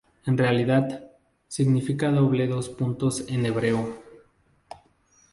En realidad, significa doble dos-puntos en hebreo.